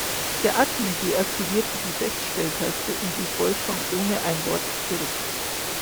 Der Admin deaktivierte die Feststelltaste und ließ Wolfgang ohne ein Wort zurück.